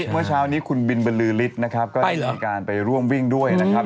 เมื่อเช้านี้คุณบินบรรลือฤทธิ์นะครับก็ได้มีการไปร่วมวิ่งด้วยนะครับ